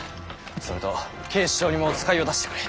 それと警視庁にも使いを出してくれ。